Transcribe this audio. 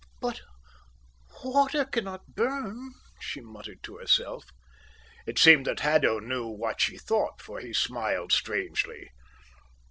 "But water cannot burn," she muttered to herself. It seemed that Haddo knew what she thought, for he smiled strangely.